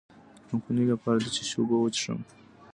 د کمخونۍ لپاره د څه شي اوبه وڅښم؟